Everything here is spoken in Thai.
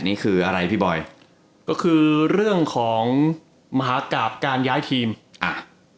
นี่คืออะไรพี่บอยก็คือเรื่องของมหากราบการย้ายทีมอ่า